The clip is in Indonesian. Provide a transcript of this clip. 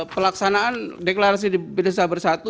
pelaksanaan deklarasi di desa bersatu